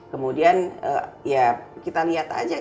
kemudian ya kita lihat aja gak ada lagi yang masuk ke sekjen